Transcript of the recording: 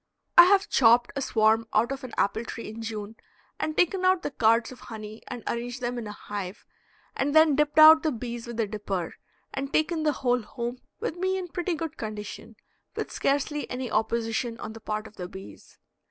I have chopped a swarm out of an apple tree in June and taken out the cards of honey and arranged them in a hive, and then dipped out the bees with a dipper, and taken the whole home with me in pretty good condition, with scarcely any opposition on the part of the bees.